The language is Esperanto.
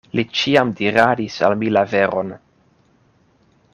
Li ĉiam diradis al mi la veron.